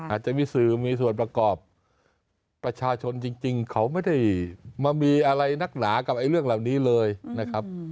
อาจจะมีสื่อมีส่วนประกอบประชาชนจริงเขาไม่ได้มามีอะไรนักหนากับเรื่องเหล่านี้เลยนะครับ